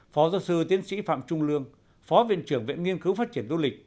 phó giáo sư tiến sĩ phạm trung lương phó viện trưởng viện nghiên cứu phát triển du lịch